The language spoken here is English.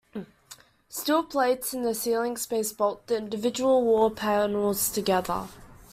Steel plates in the ceiling space bolt the individual wall panels together.